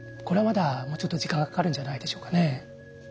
これはまだもうちょっと時間がかかるんじゃないでしょうかね。